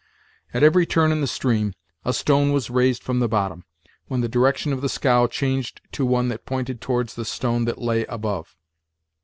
At every turn in the stream, a stone was raised from the bottom, when the direction of the scow changed to one that pointed towards the stone that lay above.